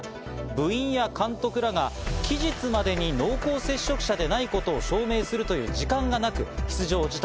部員や監督らが期日までに濃厚接触者でないことを証明するという時間がなく、出場を辞退。